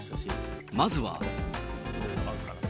まずは。